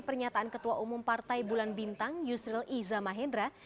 pernyataan ketua umum partai bulan bintang yusril iza mahendra